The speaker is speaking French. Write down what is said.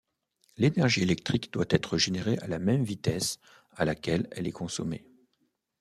L'énergie électrique doit être générée à la même vitesse à laquelle elle est consommée.